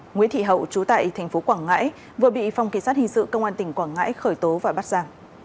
nguyễn thị hậu chú tại tp quảng ngãi vừa bị phòng kỳ sát hình sự công an tỉnh quảng ngãi khởi tố và bắt giả